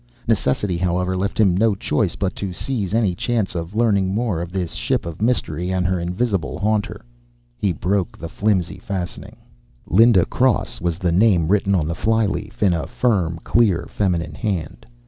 Necessity, however, left him no choice but to seize any chance of learning more of this ship of mystery and her invisible haunter. He broke the flimsy fastening. Linda Cross was the name written on the fly leaf, in a firm, clear feminine hand.